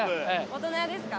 大人ですか？